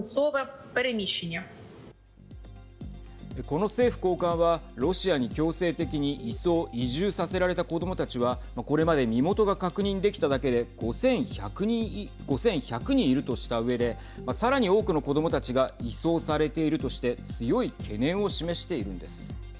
この政府高官はロシアに強制的に移送・移住させられた子どもたちはこれまで身元が確認できただけで５１００人いるとしたうえでさらに多くの子どもたちが移送されているとして強い懸念を示しているのです。